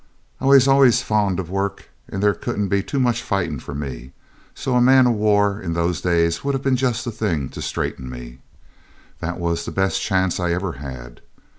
I was allays fond o' work, and there couldn't be too much fightin' for me; so a man o' war in those days would have been just the thing to straighten me. That was the best chance I ever had.